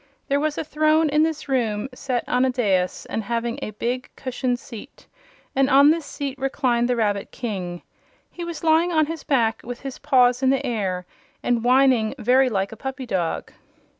There was a throne in this room, set on a dais and having a big, cushioned seat, and on this seat reclined the Rabbit King. He was lying on his back, with his paws in the air, and whining very like a puppy dog.